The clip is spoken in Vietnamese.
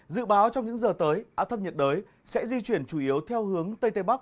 dự báo trong những giờ tới áp thấp nhiệt đới sẽ di chuyển chủ yếu theo hướng tây tây bắc